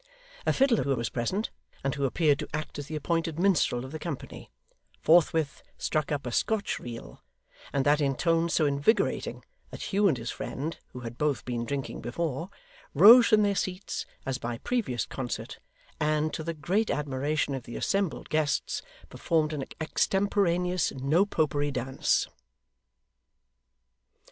A fiddler who was present, and who appeared to act as the appointed minstrel of the company, forthwith struck up a Scotch reel; and that in tones so invigorating, that Hugh and his friend (who had both been drinking before) rose from their seats as by previous concert, and, to the great admiration of the assembled guests, performed an extemporaneous No Popery Dance.